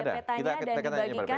ada petanya dan dibagikan